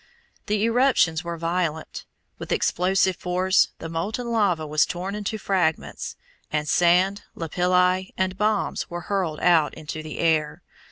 The eruptions were violent. With explosive force the molten lava was torn into fragments, and sand, lapilli, and bombs were hurled out into the air.